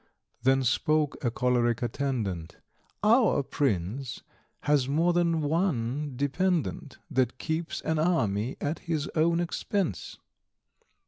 Then spoke a choleric attendant: "Our Prince has more than one dependant That keeps an army at his own expense."